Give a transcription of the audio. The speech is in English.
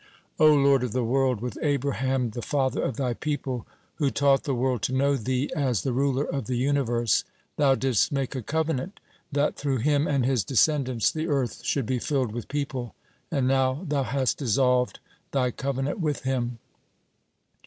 O Lord of the world, with Abraham the father of Thy people, who taught the world to know Thee as the ruler of the universe, Thou didst make a covenant, that through him and his descendants the earth should be filled with people, and now Thou hast dissolved Thy covenant with him.